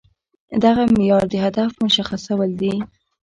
دغه معيار د هدف مشخصول دي.